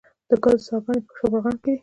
د ګازو څاګانې په شبرغان کې دي